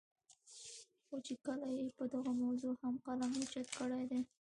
خو چې کله ئې پۀ دغه موضوع هم قلم اوچت کړے دے